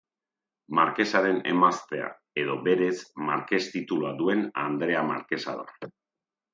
Markesaren emaztea edo berez markes titulua duen andrea markesa da.